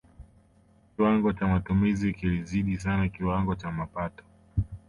kiwango cha matumizi kilizidi sana kiwango cha mapato